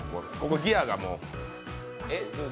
ギアがもう。